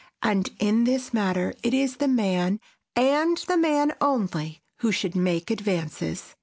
And in this matter it is the man, and the man only, who should make advances.